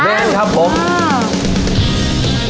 นั่นครับผม